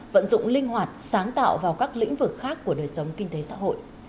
vận dụng linh hoạt sáng tạo vào các lĩnh vực khác của đời sống kinh tế xã hội